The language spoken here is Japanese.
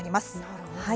なるほど。